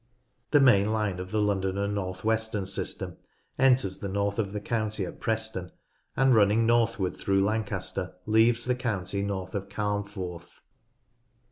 The main line of the London and North Western system enters the north of the county at Preston, and running northward through Lancaster, leaves the county north of Carnforth.